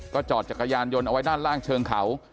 จอดจักรยานยนต์เอาไว้ด้านล่างเชิงเขา